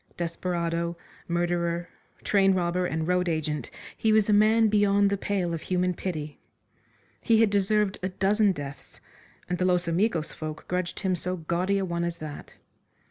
Desperado, murderer, train robber and road agent, he was a man beyond the pale of human pity. He had deserved a dozen deaths, and the Los Amigos folk grudged him so gaudy a one as that.